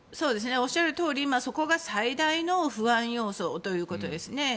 おっしゃるとおりそこが最大の不安要素ということですね。